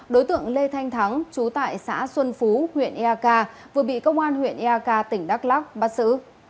đối tượng lê thanh thắng chú tại xã xuân phú huyện ea ca vừa bị công an huyện ea ca tỉnh đắk lóc bắt xử